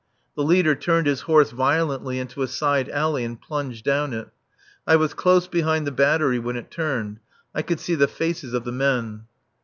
The leader turned his horse violently into a side alley and plunged down it. I was close behind the battery when it turned; I could see the faces of the men.